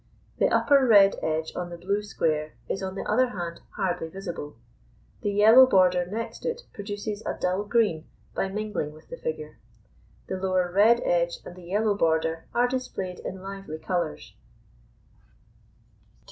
The upper red edge on the blue square is on the other hand hardly visible; the yellow border next it produces a dull green by mingling with the figure; the lower red edge and the yellow border are displayed in lively colours.